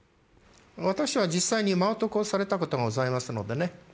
私は実際に間男をされたことがございますのでね。